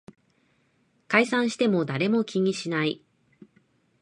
解散しても誰も気にしない